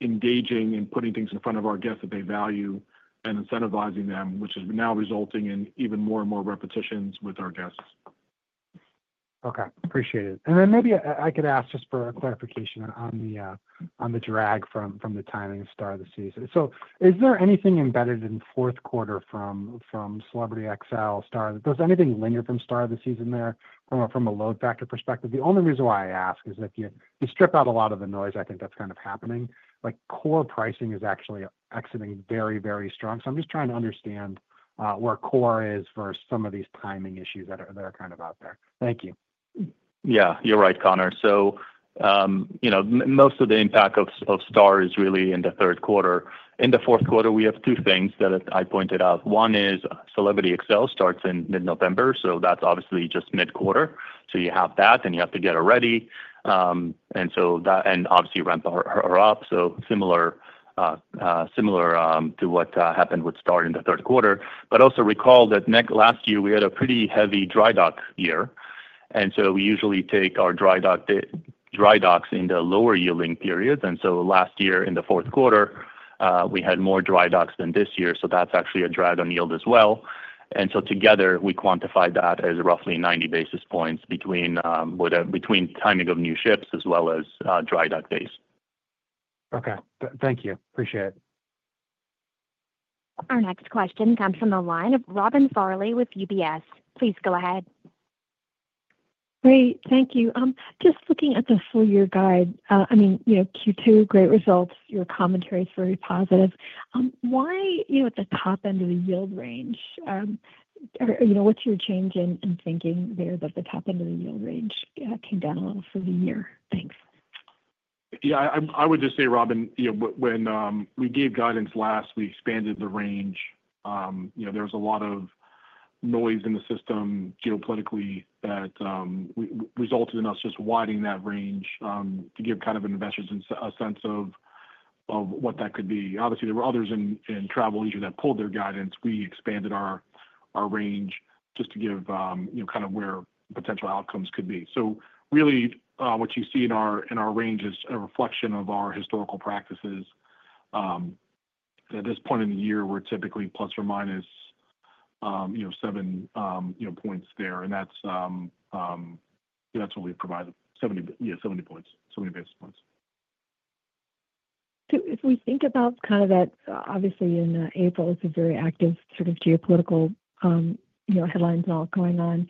engaging and putting things in front of our guests that they value and incentivizing them, which is now resulting in even more and more repetitions with our guests. Okay. Appreciate it. Maybe I could ask just for a clarification on the drag from the timing of Star of the Seas. Is there anything embedded in fourth quarter from Celebrity Xcel, Star? Is there anything linear from Star of the Seas in there from a load factor perspective? The only reason why I ask is if you strip out a lot of the noise, I think that's kind of happening. Core pricing is actually exiting very, very strong. I'm just trying to understand where core is versus some of these timing issues that are kind of out there. Thank you. Yeah. You're right, Conor. Most of the impact of Star is really in the third quarter. In the fourth quarter, we have two things that I pointed out. One is Celebrity Xcel starts in mid-November. That's obviously just mid-quarter. You have that, and you have to get it ready. Obviously, ramp her up. Similar to what happened with Star in the third quarter. Also recall that last year, we had a pretty heavy dry dock year. We usually take our dry docks in the lower yielding periods. Last year, in the fourth quarter, we had more dry docks than this year. That is actually a drag on yield as well. Together, we quantify that as roughly 90 basis points between timing of new ships as well as dry dock days. Thank you. Appreciate it. Our next question comes from the line of Robin Farley with UBS. Please go ahead. Great. Thank you. Just looking at the full year guide, I mean, Q2, great results. Your commentary is very positive. Why at the top end of the yield range? What is your change in thinking there that the top end of the yield range came down a little for the year? Thanks. Yeah. I would just say, Robin, when we gave guidance last, we expanded the range. There was a lot of noise in the system geopolitically that resulted in us just widening that range to give kind of investors a sense of what that could be. Obviously, there were others in travel leisure that pulled their guidance. We expanded our range just to give kind of where potential outcomes could be. What you see in our range is a reflection of our historical practices. At this point in the year, we are typically plus or minus seven points there. That is what we provided. Seventy points. Seventy basis points. If we think about that, obviously, in April, it is a very active sort of geopolitical headlines all going on.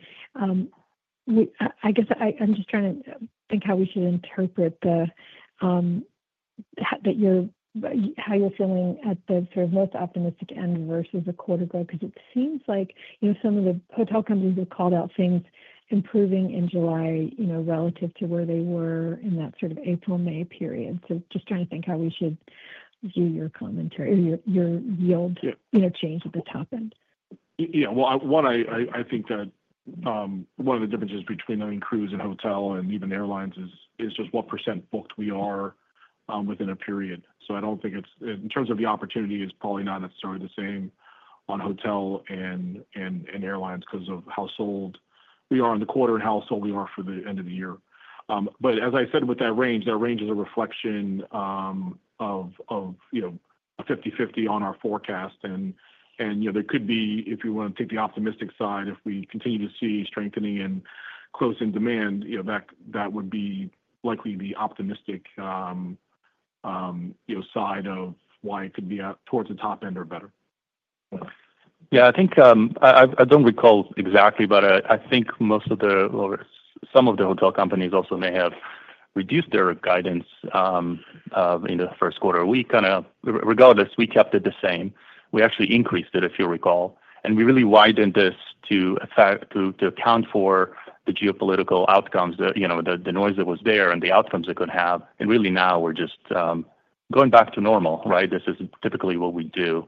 I guess I am just trying to think how we should interpret how you are feeling at the sort of most optimistic end versus a quarter ago because it seems like some of the hotel companies have called out things improving in July relative to where they were in that sort of April, May period. Just trying to think how we should view your commentary or your yield change at the top end. Yeah. One of the differences between cruise and hotel and even airlines is just what percent booked we are within a period. I do not think it is in terms of the opportunity, it is probably not necessarily the same on hotel and airlines because of how sold we are in the quarter and how sold we are for the end of the year. As I said, with that range, that range is a reflection of a 50/50 on our forecast. There could be, if you want to take the optimistic side, if we continue to see strengthening in close-in demand, that would be likely the optimistic side of why it could be towards the top end or better. Yeah. I do not recall exactly, but I think most of the, some of the hotel companies also may have reduced their guidance in the first quarter. Regardless, we kept it the same. We actually increased it, if you recall. We really widened this to account for the geopolitical outcomes, the noise that was there, and the outcomes it could have. Really, now we are just going back to normal, right? This is typically what we do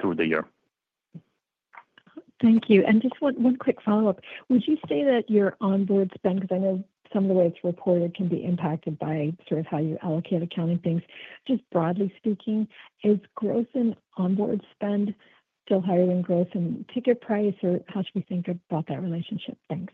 through the year. Thank you. Just one quick follow-up. Would you say that your onboard spend, because I know some of the ways it is reported can be impacted by sort of how you allocate accounting things, just broadly speaking, is gross onboard spend still higher than gross ticket price, or how should we think about that relationship? Thanks.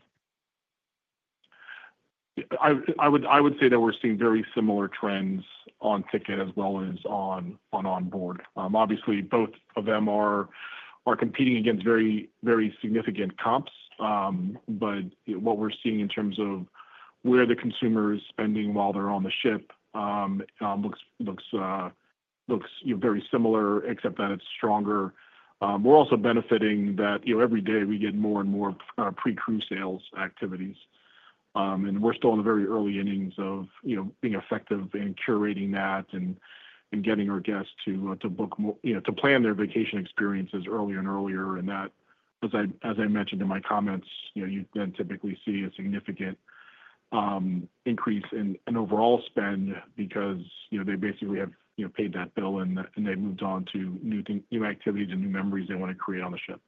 I would say that we are seeing very similar trends on ticket as well as on onboard. Obviously, both of them are competing against very significant comps. What we are seeing in terms of where the consumer is spending while they are on the ship looks very similar, except that it is stronger. We are also benefiting that every day we get more and more pre-cruise sales activities. We are still in the very early innings of being effective in curating that and getting our guests to book to plan their vacation experiences earlier and earlier. As I mentioned in my comments, you then typically see a significant increase in overall spend because they basically have paid that bill, and they moved on to new activities and new memories they want to create on the ship.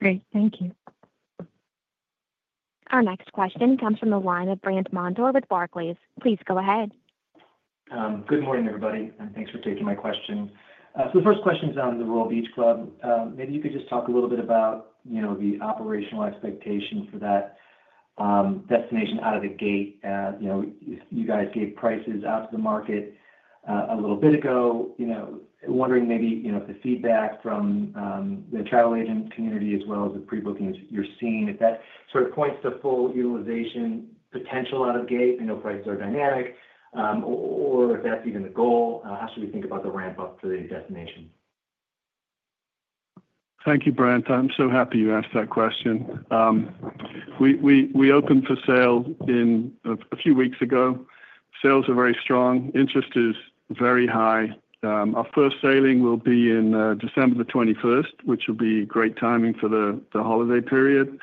Great. Thank you. Our next question comes from the line of Brandt Montour with Barclays. Please go ahead. Good morning, everybody, and thanks for taking my question. The first question is on the Royal Beach Club. Maybe you could just talk a little bit about the operational expectation for that destination out of the gate. You guys gave prices out to the market a little bit ago. Wondering maybe if the feedback from the travel agent community as well as the pre-bookings you are seeing, if that sort of points to full utilization potential out of the gate, I know prices are dynamic. Or if that is even the goal, how should we think about the ramp-up to the destination? Thank you, Brandt. I am so happy you asked that question. We opened for sale a few weeks ago. Sales are very strong. Interest is very high. Our first sailing will be in December the 21st, which will be great timing for the holiday period.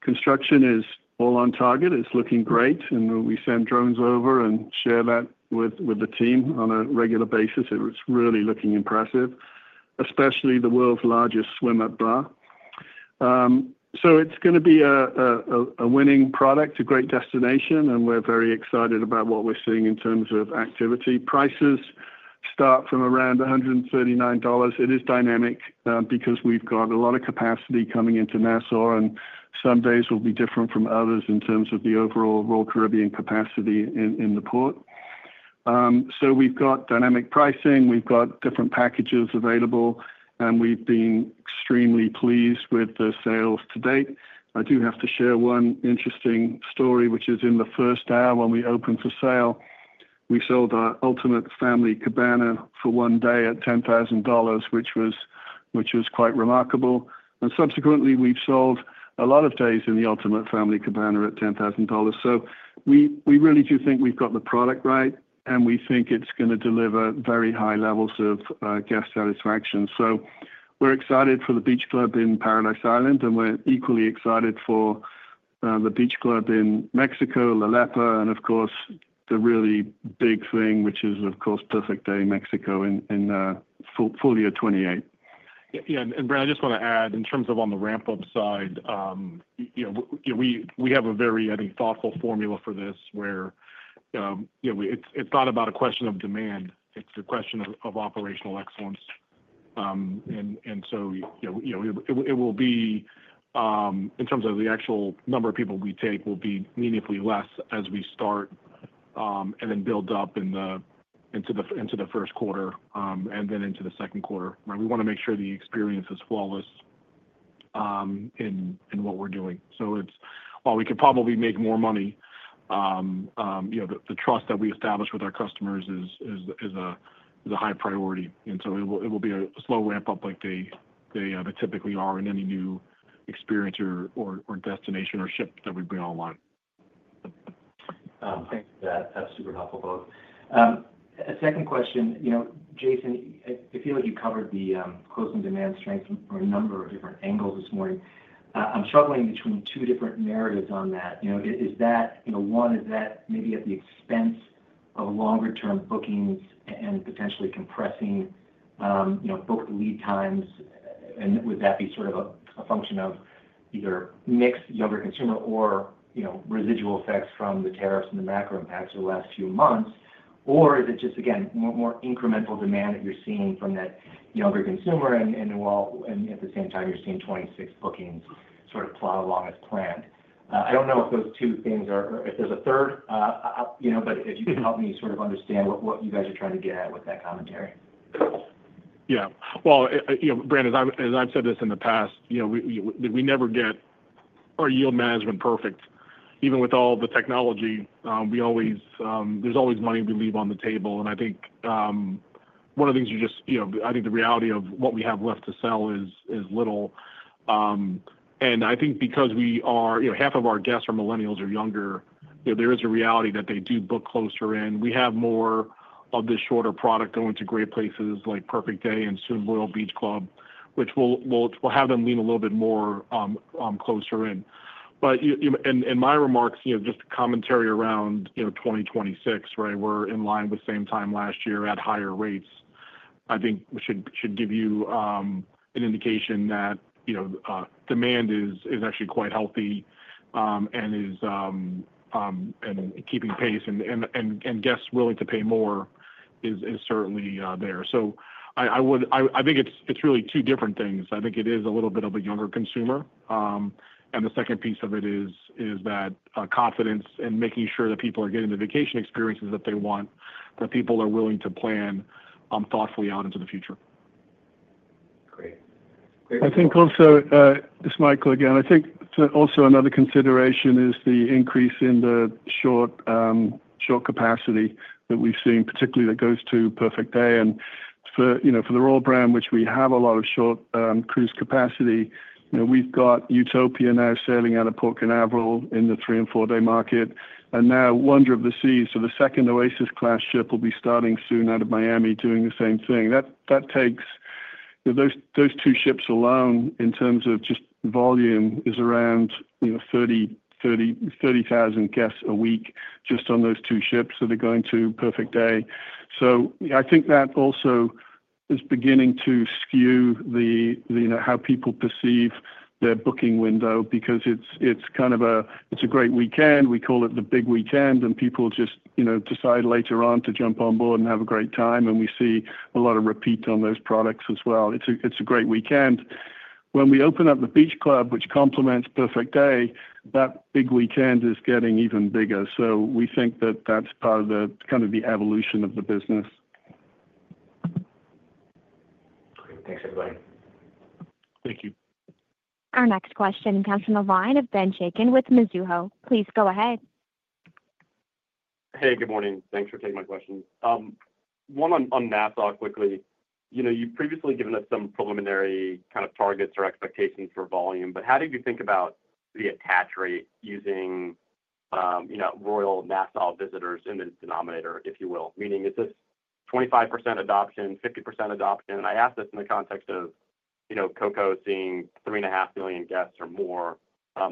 Construction is all on target. It's looking great. We sent drones over and shared that with the team on a regular basis. It was really looking impressive, especially the world's largest swim-up bar. It's going to be a winning product, a great destination, and we're very excited about what we're seeing in terms of activity. Prices start from around $139. It is dynamic because we've got a lot of capacity coming into Nassau, and some days will be different from others in terms of the overall Royal Caribbean capacity in the port. We've got dynamic pricing. We've got different packages available, and we've been extremely pleased with the sales to date. I do have to share one interesting story, which is in the first hour when we opened for sale, we sold our ultimate family cabana for one day at $10,000, which was quite remarkable. Subsequently, we've sold a lot of days in the ultimate family cabana at $10,000. We really do think we've got the product right, and we think it's going to deliver very high levels of guest satisfaction. We're excited for the beach club in Paradise Island, and we're equally excited for the beach club in Mexico, Lelepa, and of course, the really big thing, which is, of course, Perfect Day Mexico in full year 2028. Yeah. Brandt, I just want to add, in terms of on the ramp-up side, we have a very, I think, thoughtful formula for this where it's not about a question of demand. It's a question of operational excellence. It will be, in terms of the actual number of people we take, meaningfully less as we start, and then build up into the first quarter and then into the second quarter. We want to make sure the experience is flawless in what we're doing. While we could probably make more money, the trust that we establish with our customers is a high priority. It will be a slow ramp-up like they typically are in any new experience or destination or ship that we bring online. Thanks for that. That's super helpful, both. A second question. Jason, I feel like you covered the close-in-demand strength from a number of different angles this morning. I'm struggling between two different narratives on that. One is that maybe at the expense of longer-term bookings and potentially compressing booked lead times? Would that be sort of a function of either mixed younger consumer or residual effects from the tariffs and the macro impacts of the last few months? Is it just, again, more incremental demand that you're seeing from that younger consumer, and at the same time, you're seeing 26 bookings sort of plow along as planned? I don't know if those two things are, if there's a third. If you can help me sort of understand what you guys are trying to get at with that commentary. Yeah. Brandt, as I've said this in the past, we never get our yield management perfect. Even with all the technology, there's always money we leave on the table. I think one of the things, the reality of what we have left to sell is little. I think because half of our guests are millennials or younger, there is a reality that they do book closer in. We have more of the shorter product going to great places like Perfect Day and soon Royal Beach Club, which will have them lean a little bit more closer in. In my remarks, just commentary around 2026, we're in line with same time last year at higher rates. I think that should give you an indication that demand is actually quite healthy and is keeping pace, and guests willing to pay more is certainly there. I think it's really two different things. I think it is a little bit of a younger consumer. The second piece of it is that confidence and making sure that people are getting the vacation experiences that they want, that people are willing to plan thoughtfully out into the future. Great. I think also, this might click in. I think also another consideration is the increase in the short capacity that we've seen, particularly that goes to Perfect Day. For the Royal Brand, we have a lot of short cruise capacity. We've got Utopia now sailing out of Port Canaveral in the three and four-day market, and now Wonder of the Seas, so the second Oasis-class ship, will be starting soon out of Miami doing the same thing. Those two ships alone, in terms of just volume, is around 30,000 guests a week just on those two ships that are going to Perfect Day. I think that also is beginning to skew how people perceive their booking window because it's kind of a great weekend. We call it the big weekend, and people just decide later on to jump on board and have a great time. We see a lot of repeat on those products as well. It's a great weekend. When we open up the beach club, which complements Perfect Day, that big weekend is getting even bigger. We think that that's part of kind of the evolution of the business. Great. Thanks, everybody. Thank you. Our next question comes from the line of Benjamin Chaiken with Mizuho. Please go ahead. Hey, good morning. Thanks for taking my question. One on Nassau quickly. You've previously given us some preliminary kind of targets or expectations for volume, but how did you think about the attach rate using Royal Nassau visitors in the denominator, if you will? Meaning, is this 25% adoption, 50% adoption? I ask this in the context of CocoCay seeing three and a half million guests or more,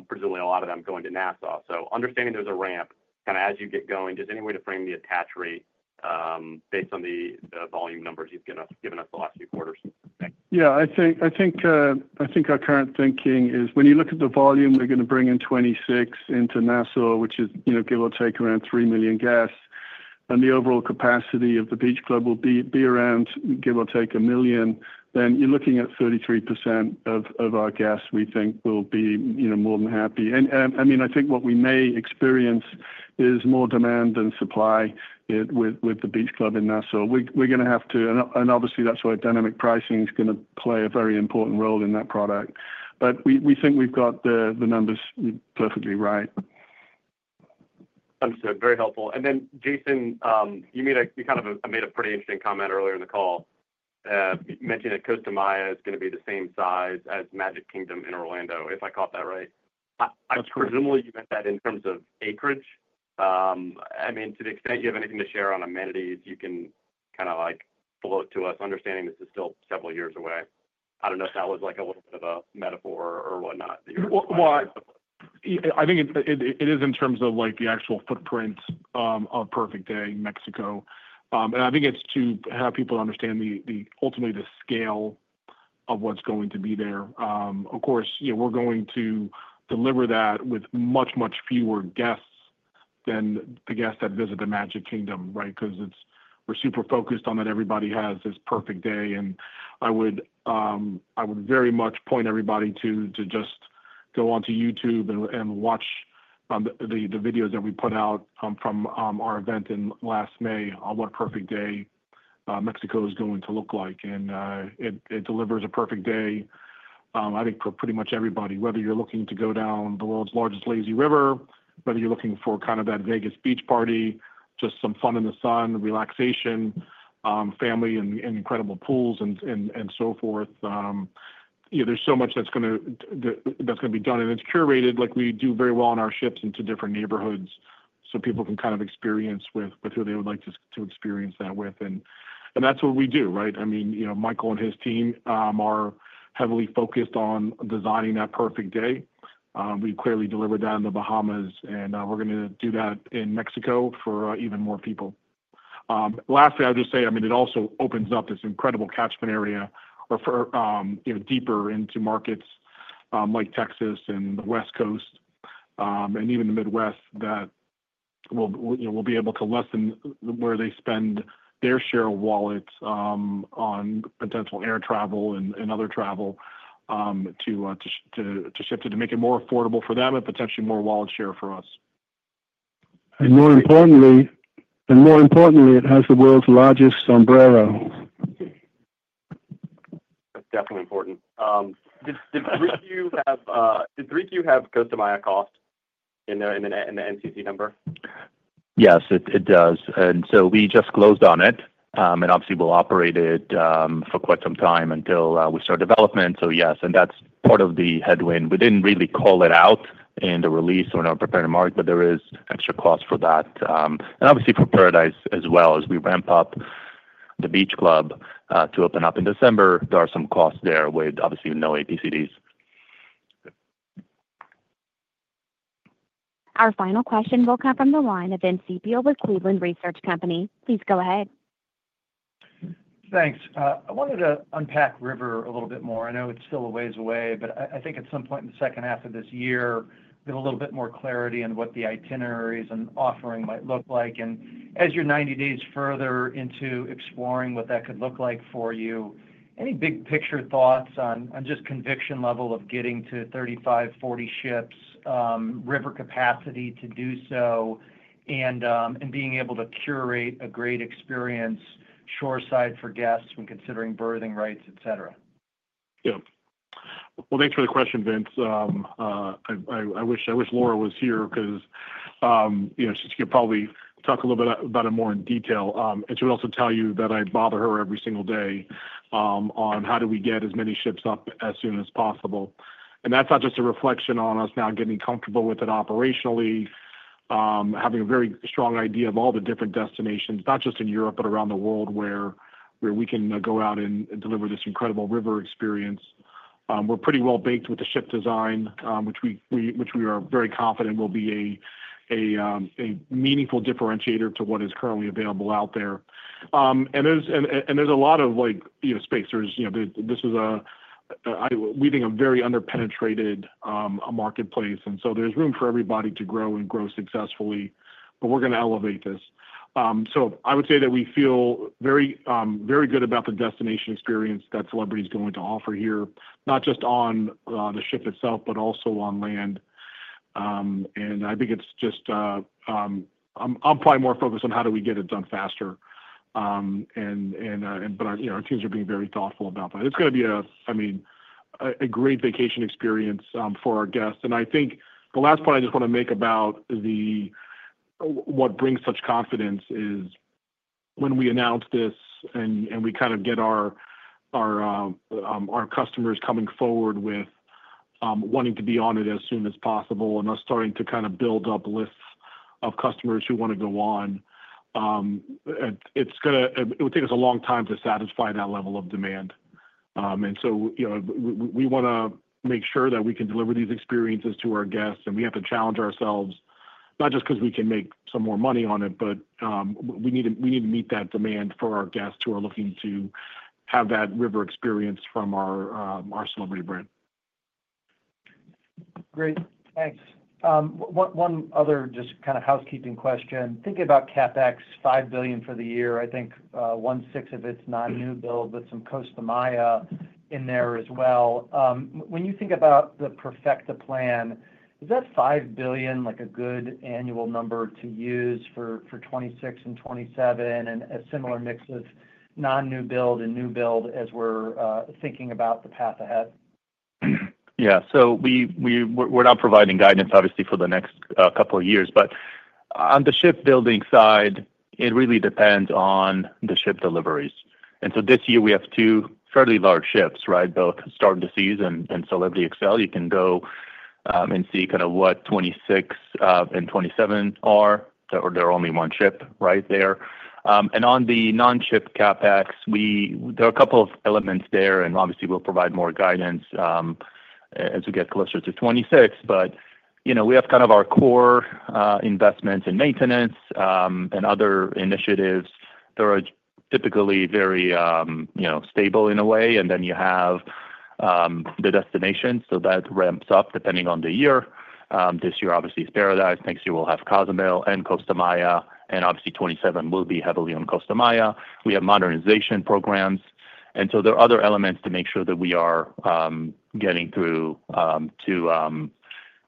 presumably a lot of them going to Nassau. Understanding there's a ramp kind of as you get going, just any way to frame the attach rate based on the volume numbers you've given us the last few quarters? Yeah. I think our current thinking is when you look at the volume we're going to bring in 2026 into Nassau, which is give or take around 3 million guests, and the overall capacity of the beach club will be around give or take a million, then you're looking at 33% of our guests we think will be more than happy. I mean, I think what we may experience is more demand than supply. With the beach club in Nassau, we're going to have to, and obviously, that's why dynamic pricing is going to play a very important role in that product. We think we've got the numbers perfectly right. Understood. Very helpful. Then, Jason, you kind of made a pretty interesting comment earlier in the call mentioning that Costa Maya is going to be the same size as Magic Kingdom in Orlando, if I caught that right. Presumably, you meant that in terms of acreage. I mean, to the extent you have anything to share on amenities, you can kind of float to us, understanding this is still several years away. I don't know if that was a little bit of a metaphor or whatnot. I think it is in terms of the actual footprint of Perfect Day Mexico. I think it's to have people understand ultimately the scale of what's going to be there. Of course, we're going to deliver that with much, much fewer guests than the guests that visit the Magic Kingdom, right? Because we're super focused on that everybody has this perfect day. I would very much point everybody to just go on to YouTube and watch the videos that we put out from our event in last May on what Perfect Day Mexico is going to look like. It delivers a perfect day. I think, for pretty much everybody, whether you're looking to go down the world's largest lazy river, whether you're looking for kind of that Vegas beach party, just some fun in the sun, relaxation. Family and incredible pools, and so forth. There's so much that's going to be done. It's curated like we do very well on our ships into different neighborhoods so people can kind of experience with who they would like to experience that with. That's what we do, right? I mean, Michael and his team are heavily focused on designing that perfect day. We clearly deliver that in the Bahamas, and we're going to do that in Mexico for even more people. Lastly, I'll just say, I mean, it also opens up this incredible catchment area or deeper into markets like Texas and the West Coast. Even the Midwest will be able to lessen where they spend their share of wallets on potential air travel and other travel to shift it to make it more affordable for them and potentially more wallet share for us. More importantly, it has the world's largest umbrella. That's definitely important. Did 3Q have Costa Maya cost in the NCC number? Yes, it does. We just closed on it. Obviously, we'll operate it for quite some time until we start development. Yes, that's part of the headwind. We didn't really call it out in the release or in our prepared mark, but there is extra cost for that. Obviously, for Paradise as well, as we ramp up the beach club to open up in December, there are some costs there with obviously no APCDs. Our final question will come from the line of Vince Ciepiel with Cleveland Research Company. Please go ahead. Thanks. I wanted to unpack River a little bit more. I know it's still a ways away, but I think at some point in the second half of this year, we have a little bit more clarity on what the itineraries and offering might look like. As you're 90 days further into exploring what that could look like for you, any big picture thoughts on just conviction level of getting to 35-40 ships, river capacity to do so, and being able to curate a great experience shoreside for guests when considering berthing rights, etc.? Yeah. Thanks for the question, Vince. I wish Laura was here because she could probably talk a little bit about it more in detail. She would also tell you that I bother her every single day on how do we get as many ships up as soon as possible. That's not just a reflection on us now getting comfortable with it operationally, having a very strong idea of all the different destinations, not just in Europe, but around the world where we can go out and deliver this incredible river experience. We're pretty well baked with the ship design, which we are very confident will be a meaningful differentiator to what is currently available out there. There's a lot of space. This is, we think, a very under-penetrated marketplace. There's room for everybody to grow and grow successfully, but we're going to elevate this. I would say that we feel very good about the destination experience that Celebrity is going to offer here, not just on the ship itself, but also on land. I think it's just, I'm probably more focused on how do we get it done faster. Our teams are being very thoughtful about that. It's going to be, I mean, a great vacation experience for our guests. I think the last point I just want to make about what brings such confidence is, when we announce this and we kind of get our customers coming forward with wanting to be on it as soon as possible and us starting to kind of build up lists of customers who want to go on, it will take us a long time to satisfy that level of demand. We want to make sure that we can deliver these experiences to our guests. We have to challenge ourselves, not just because we can make some more money on it, but we need to meet that demand for our guests who are looking to have that river experience from our Celebrity brand. Great, thanks. One other just kind of housekeeping question. Thinking about CapEx, $5 billion for the year, I think one-sixth of it's non-new build with some Costa Maya in there as well. When you think about the Perfecta plan, is that $5 billion a good annual number to use for 2026 and 2027 and a similar mix of non-new build and new build as we're thinking about the path ahead? Yeah. We're not providing guidance, obviously, for the next couple of years. On the ship-building side, it really depends on the ship deliveries. This year, we have two fairly large ships, right, both Star of the Seas and Celebrity Xcel. You can go and see kind of what 2026 and 2027 are. They're only one ship right there. On the non-ship CapEx, there are a couple of elements there. Obviously, we'll provide more guidance as we get closer to 2026. We have kind of our core investments in maintenance and other initiatives. They're typically very stable in a way. You have the destination, so that ramps up depending on the year. This year, obviously, is Paradise. Next year, we'll have Cozumel and Costa Maya. Obviously, 2027 will be heavily on Costa Maya. We have modernization programs, and there are other elements to make sure that we are getting through to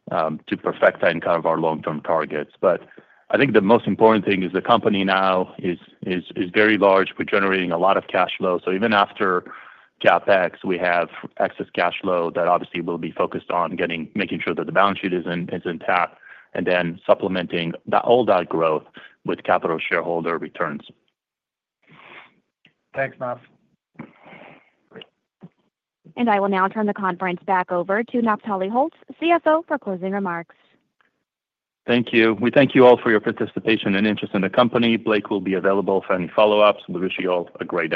perfect and kind of our long-term targets. I think the most important thing is the company now is very large. We're generating a lot of cash flow. Even after CapEx, we have excess cash flow that obviously will be focused on making sure that the balance sheet is intact and then supplementing all that growth with capital shareholder returns. Thanks, Matt. Great. I will now turn the conference back over to Naftali Holtz, CFO, for closing remarks. Thank you. We thank you all for your participation and interest in the company. Blake will be available for any follow-ups. We wish you all a great day.